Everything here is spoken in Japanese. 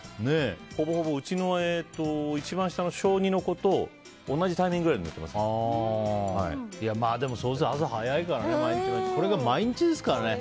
ほぼほぼうちの一番下の小２の子とでも、朝早いからね。これが毎日ですからね。